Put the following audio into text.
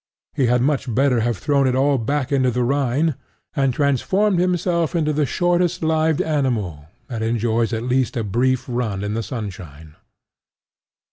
He had much better have thrown it all back into the Rhine and transformed himself into the shortest lived animal that enjoys at least a brief run in the sunshine.